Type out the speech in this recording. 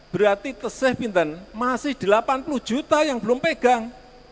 berarti seh bintan masih delapan puluh juta yang belum pegang